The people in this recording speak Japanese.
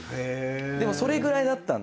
でもそれぐらいだったんで。